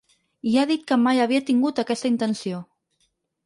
I ha dit que mai havia tingut aquesta intenció